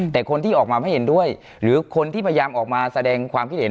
แต่คนที่ออกมาไม่เห็นด้วยหรือคนที่พยายามออกมาแสดงความคิดเห็น